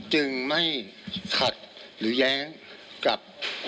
จึงไม่ขัดหรือแย้งกับ